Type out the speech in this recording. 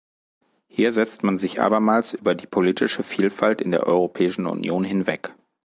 Hier setzt man sich abermals über die politische Vielfalt in der Europäischen Union hinweg.